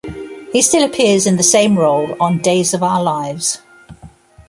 He still appears in the same role on "Days of Our Lives".